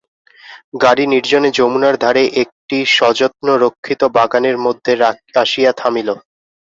গাড়ি নির্জনে যমুনার ধারে একটি সযত্নরক্ষিত বাগানের মধ্যে আসিয়া থামিল।